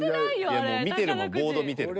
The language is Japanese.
見てるのボード見てるの。